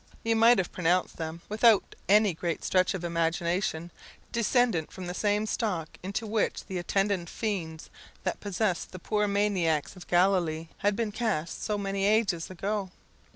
You might have pronounced them, without any great stretch of imagination, descended from the same stock into which the attendant fiends that possessed the poor maniacs of Galilee had been cast so many ages ago.